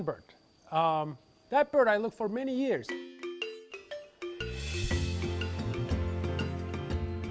burung itu yang saya cari selama bertahun tahun